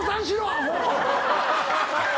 「アホ」？